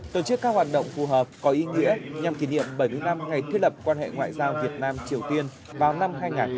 tổ chức các hoạt động phù hợp có ý nghĩa nhằm kỷ niệm bảy mươi năm ngày thiết lập quan hệ ngoại giao việt nam triều tiên vào năm hai nghìn hai mươi